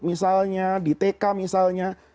misalnya di tk misalnya